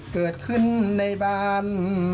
เกิดขึ้นในบ้าน